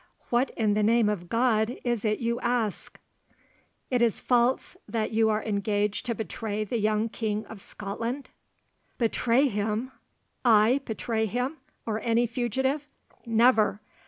"What, in the name of God, is it you ask?" "It is false that you are engaged to betray the young King of Scotland?" "Betray him! I betray him, or any fugitive? Never!